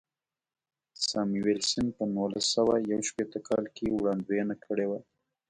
ساموېلسن په نولس سوه یو شپېته کال کې وړاندوینه کړې وه.